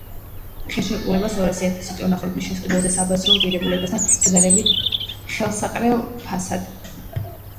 ისინი გოგლიკოს სთავაზობენ ხელშეკრულებას ორასი ათასი ტონა ხორბლის შესყიდვაზე, საბაზრო ღირებულებასთან შედარებით ხელსაყრელ ფასად.